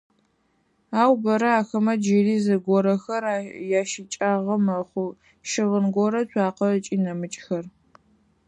Ау бэрэ ахэмэ джыри зыгорэхэр ящыкӏагъэ мэхъу: щыгъын горэ, цуакъэ ыкӏи нэмыкӏхэр.